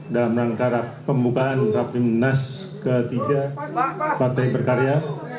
dalam rangka pemukaan raffi nas ketiga partai berkarya